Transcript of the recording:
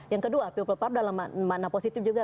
yang kedua ppp dalam makna positif juga